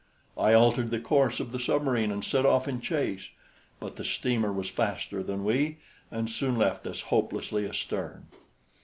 I altered the course of the submarine and set off in chase; but the steamer was faster than we, and soon left us hopelessly astern.